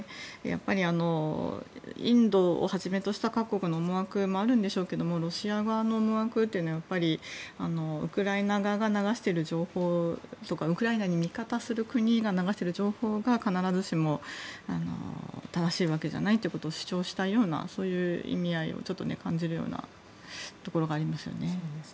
やっぱりインドをはじめとした各国の思惑もあるんでしょうけれどもロシア側の思惑というのはウクライナ側が流している情報とかウクライナに味方する国が流している情報が必ずしも正しいわけじゃないということを主張したいようなそういう意味合いを感じるようなところがありますよね。